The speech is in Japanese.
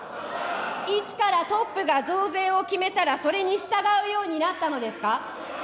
いつからトップが増税を決めたら、それに従うようになったのですか。